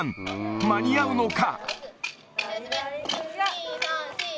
間に合うのか。